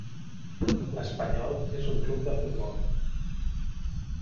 L'Espanyol és un club de futbol.